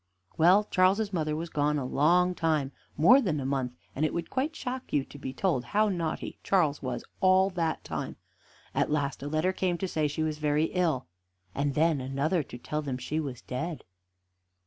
Well, Charles's mother was gone a long time, more than a month, and it would quite shock you to be told how naughty Charles was all that time; at last a letter came to say she was very ill, and then another to tell them she was dead.